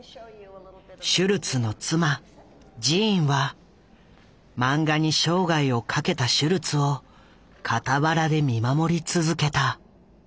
シュルツの妻ジーンは漫画に生涯をかけたシュルツを傍らで見守り続けた。